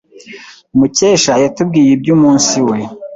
Mukesha yatubwiye iby'umunsi we.